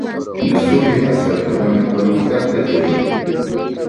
د سولې هڅې ټولنه پرمختګ ته بیایي.